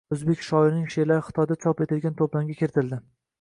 O‘zbek shoirining she’rlari xitoyda chop etilgan to‘plamga kiritildi